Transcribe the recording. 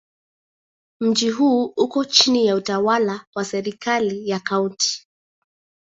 Mji huu uko chini ya utawala wa serikali ya Kaunti.